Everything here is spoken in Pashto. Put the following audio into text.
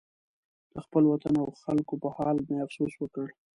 د خپل وطن او خلکو په حال مې افسوس وکړ.